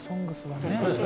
「ＳＯＮＧＳ」はね。